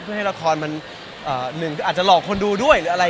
เพื่อให้ละครมันอาจจะหลอกคนดูด้วย